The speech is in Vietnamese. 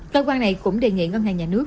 cơ quan này cũng đề nghị ngân hàng nhà nước